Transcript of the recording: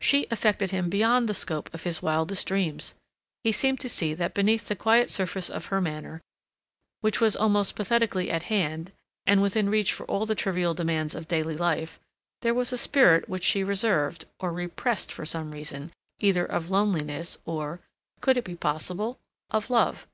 She affected him beyond the scope of his wildest dreams. He seemed to see that beneath the quiet surface of her manner, which was almost pathetically at hand and within reach for all the trivial demands of daily life, there was a spirit which she reserved or repressed for some reason either of loneliness or—could it be possible—of love.